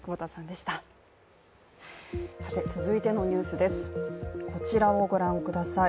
続いてのニュースです、こちらをご覧ください。